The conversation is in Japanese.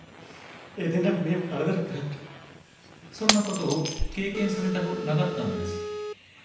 そんなことを経験させたくなかったんです。